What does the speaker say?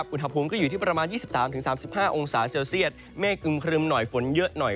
อุณหภูมิก็อยู่ที่ประมาณ๒๓๓๕องศาเซลเซียตเมฆอึมครึมหน่อยฝนเยอะหน่อย